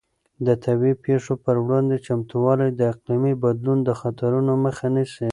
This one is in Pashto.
د طبیعي پېښو پر وړاندې چمتووالی د اقلیمي بدلون د خطرونو مخه نیسي.